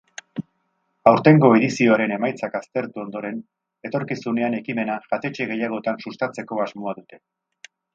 Aurtengo edizioaren emaitzak aztertu ondoren, etorkizunean ekimena jatetxe gehiagotan sustatzeko asmoa dute.